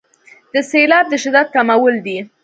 د سیلاب د شدت کمول دي.